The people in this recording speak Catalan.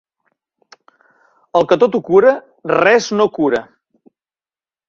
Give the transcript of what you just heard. El que tot ho cura, res no cura.